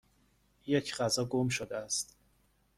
یک غذا گم شده است.